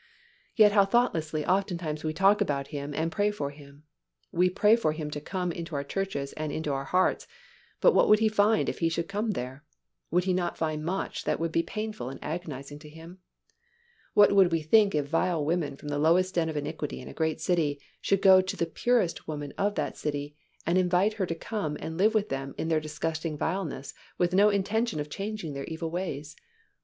Yet how thoughtlessly oftentimes we talk about Him and pray for Him. We pray for Him to come into our churches and into our hearts but what would He find if He should come there? Would He not find much that would be painful and agonizing to Him? What would we think if vile women from the lowest den of iniquity in a great city should go to the purest woman in the city and invite her to come and live with them in their disgusting vileness with no intention of changing their evil ways.